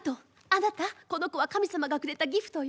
あなたこの子は神様がくれたギフトよ。